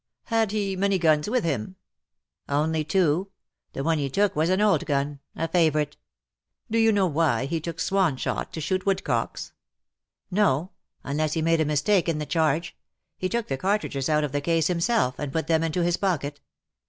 ^^'' Had he many guns with him ?"^' Only two. The one he took was an old gun — a favourite." " Do you know why he took swan shot to shoot woodcocks ?"" No — unless he made a mistake in the charge. He took the cartridges out of the case himself, and put them into his pocket.